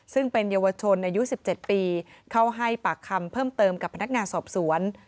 ซึ่งเป็นเยาวชนอายุ๑๗ปีเข้าให้ปากคำเพิ่มเติมกับพนักงานสอบสวน